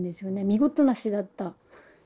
見事な死だった。